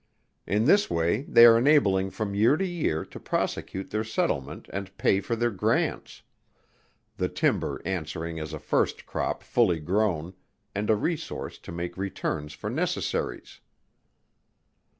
In this way they are enabled from year to year to prosecute their settlement and pay for their grants; the timber answering as a first crop fully grown, and a resource to make returns for necessaries.